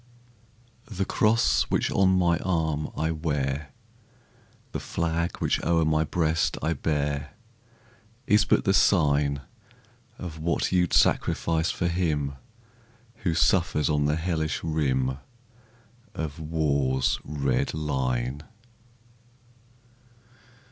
The cross which on my arm I wear, The flag which o'er my breast I bear, Is but the sign Of what you 'd sacrifice for him Who suffers on the hellish rim Of war's red line.